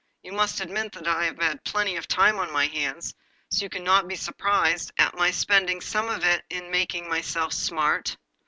'You must admit that I have had plenty of time on my hands, so you cannot be surprised at my spending some of it in making myself smart.